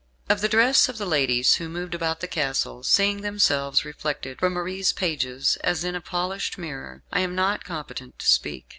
Of the dress of the ladies who moved about the castle, seeing themselves reflected from Marie's pages as in a polished mirror, I am not competent to speak.